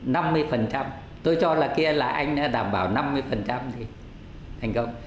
là năm mươi tôi cho là kia là anh đã đảm bảo năm mươi thì thành công